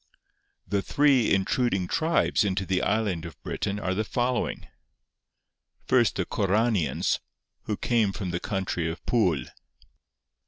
'The three intruding tribes into the island of Britain are the following: First, the Corranians, who came from the country of Pwyl.